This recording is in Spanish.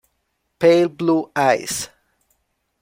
Pale Blue Eyes